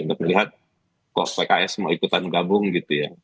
untuk melihat kos pks mau ikutan gabung gitu ya